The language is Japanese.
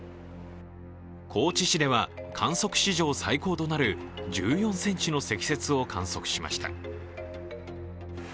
高知市では観測史上最高となる１４ｃｍの積雪を観測しました。